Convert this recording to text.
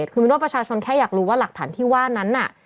คือมินว่าประชาชนแค่อยากรู้ว่าหลักฐานที่ว่านั้นน่ะ